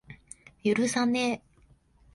許さねぇ。